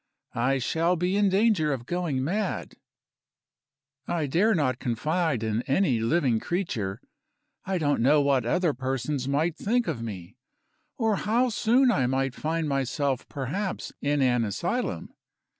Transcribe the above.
I shall be in danger of going mad. I dare not confide in any living creature. I don't know what other persons might think of me, or how soon I might find myself perhaps in an asylum.